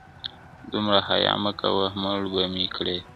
• دومره حيا مه كوه مړ به مي كړې.